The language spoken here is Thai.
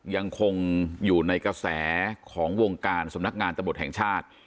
ยังคงอยู่ในกระแสของวงการสำนักงานตำรวจแห่งชาติ